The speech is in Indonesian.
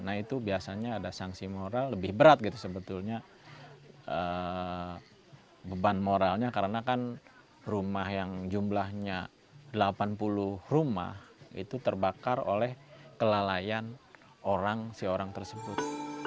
nah itu biasanya ada sanksi moral lebih berat gitu sebetulnya beban moralnya karena kan rumah yang jumlahnya delapan puluh rumah itu terbakar oleh kelalaian orang si orang tersebut